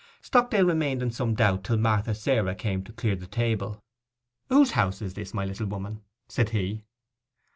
Stockdale remained in some doubt till Martha Sarah came to clear the table. 'Whose house is this, my little woman,' said he.